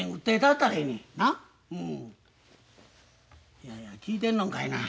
いやいや聞いてんのんかいな。